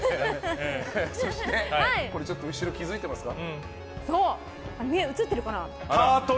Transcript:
そして、後ろ気づいてますか？